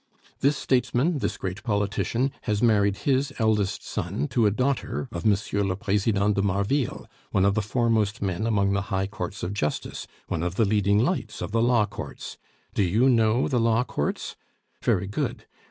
This statesman, this great politician, has married his eldest son to a daughter of M. le President de Marville, one of the foremost men among the high courts of justice; one of the leading lights of the law courts. Do you know the law courts? Very good.